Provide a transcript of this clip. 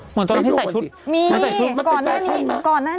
เหมือนตอนที่ใส่ชุดมันเป็นแปลชั่นมั้ย